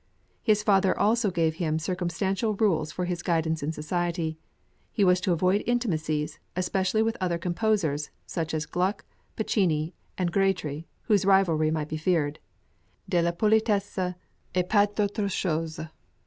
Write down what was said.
His father also gave him circumstantial rules for his guidance in society; he was to avoid intimacies, especially with other composers, such as Gluck, Piccinni, and Grétry, whose rivalry might be feared, "de la politesse, et pas d'autre chose!"